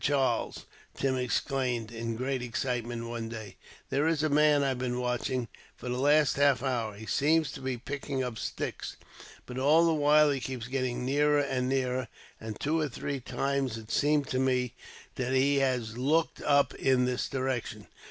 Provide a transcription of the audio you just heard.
Charles!" Tim exclaimed in great excitement, one day; "there is a man I've been watching, for the last half hour. He seems to be picking up sticks, but all the while he keeps getting nearer and nearer, and two or three times it seems to me that he has looked up in this direction."